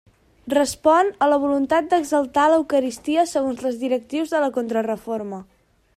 Respon a la voluntat d'exaltar l'Eucaristia segons les directrius de la Contrareforma.